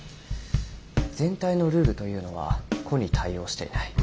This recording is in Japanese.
全体のルールというのは個に対応していない。